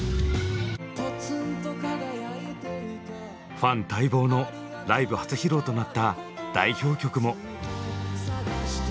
ファン待望のライブ初披露となった代表曲も。